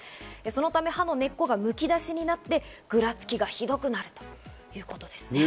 そのため歯の根っこがむき出しになって、ぐらつきがひどくなるということですね。